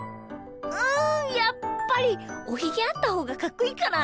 うんやっぱりおひげあったほうがかっこいいかな？